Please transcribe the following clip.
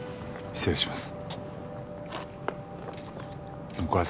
失礼します。